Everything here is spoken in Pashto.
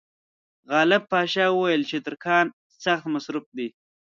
غالب پاشا وویل چې ترکان سخت مصروف دي.